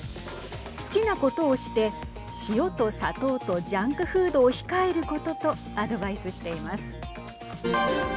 好きなことをして塩と砂糖とジャンクフードを控えることとアドバイスしています。